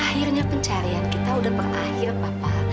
akhirnya pencarian kita udah berakhir papa